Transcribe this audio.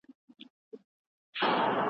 یار مې هندو زۀ مسلمان یم